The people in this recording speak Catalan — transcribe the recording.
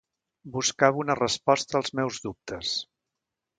Buscava una resposta als meus dubtes.